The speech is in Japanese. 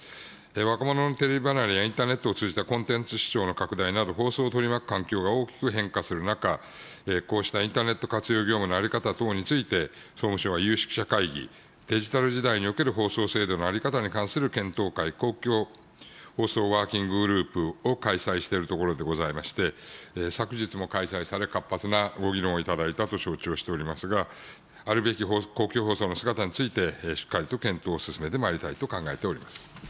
若者のテレビ離れやインターネットを通じたコンテンツ視聴の拡大など、放送を取り巻く環境が大きく変化する中、こうしたインターネット活用業務の在り方等について、総務省は有識者会議、デジタル時代における放送制度の在り方に関する検討会、公共放送ワーキンググループを開催しているところでございまして、昨日も開催され、活発なご議論をいただいたと承知をしておりますが、あるべき公共放送の姿について、しっかりと検討を進めてまいりたいと考えております。